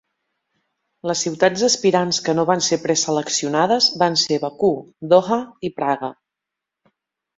Les ciutats aspirants que no van ser preseleccionades van ser Bakú, Doha i Praga.